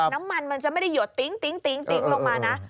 มันจะไม่ได้หยดติ๊งลงมานะ